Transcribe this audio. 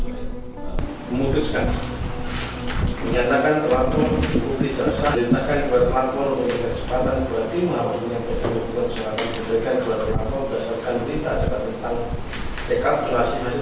memutuskan menyatakan terlalu berpikir